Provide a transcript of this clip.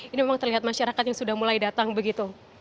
ini memang terlihat masyarakat yang sudah mulai datang begitu